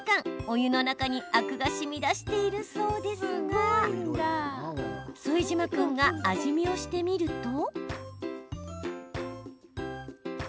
お湯の中にアクがしみ出しているそうですが副島君が味見をしてみると。